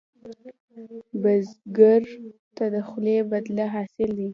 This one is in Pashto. بزګر ته د خولې بدله حاصل دی